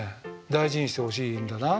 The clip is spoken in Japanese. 大事にしてほしいんだな。